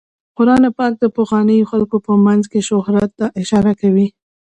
قرآن پاک د پخوانیو خلکو په مینځ کې شهرت ته اشاره کوي.